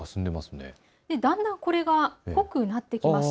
だんだんこれが濃くなってきます。